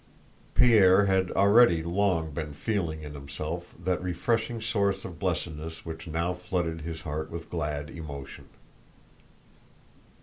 Pierre had already long been feeling in himself that refreshing source of blessedness which now flooded his heart with glad emotion.